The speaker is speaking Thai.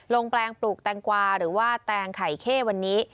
แปลงปลูกแตงกวาหรือว่าแตงไข่เข้วันนี้